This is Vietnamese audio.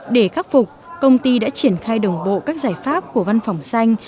để khắc phục công ty đã triển khai đồng bộ các giải pháp của văn phòng xanh